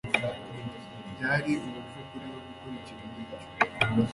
Byari ubupfu kuri we gukora ikintu nkicyo.